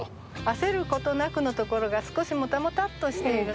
「焦る事なく」のところが少しもたもたっとしている。